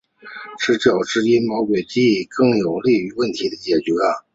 这较之耍阴谋诡计更有利于问题的解决。